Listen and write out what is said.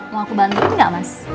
mau aku bantu gak mas